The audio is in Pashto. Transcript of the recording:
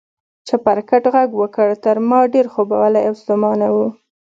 چپرکټ غږ وکړ، تر ما ډېر خوبولی او ستومانه و.